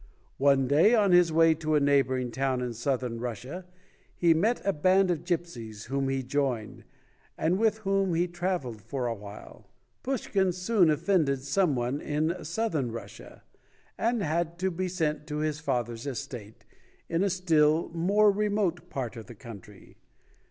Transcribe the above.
One day, on his way to a neighboring town in Southern Russia, he met a band of gypsies whom he joined, and with whom he trav eled for a while. Pushkin soon offended some one in Southern Russia, and had to be sent to his father's estate, in a still more remote part of the country.